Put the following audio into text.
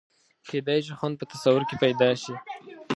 کېدای شي خوند په تصور کې پیدا شي.